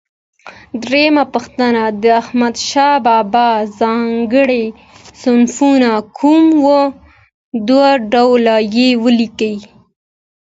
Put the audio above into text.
درېمه پوښتنه: د احمدشاه بابا ځانګړي صفتونه کوم و؟ دوه ډوله یې ولیکئ.